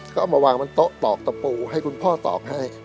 ก็เอามาวางบนโต๊ะตอกตะปูให้คุณพ่อตอกให้